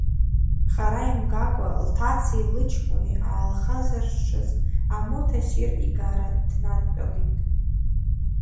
Хара имгакәа лҭацеи лыҷкәыни аалхазыршҭышаз амоҭа ссир игара днадтәалеит.